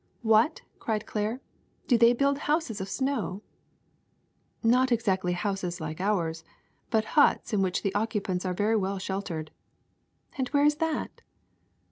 '' ^*What,'' cried Claire, ^^do they build houses of snowT' ^'Not exactly houses like ours, but huts in which the occupants are very well sheltered. '''^ And where is that